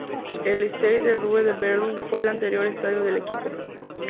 El "Stade de la rue de Verdun" fue el anterior estadio del equipo.